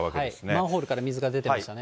マンホールから水が出ていましたね。